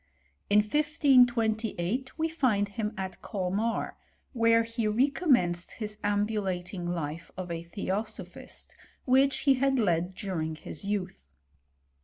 In 1528 we find him at Colmarj^ where he recommenced his ambulating life of a theOn sophist, which he had led during his youth.